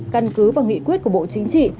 căn cứ và nghị quyết của bộ chính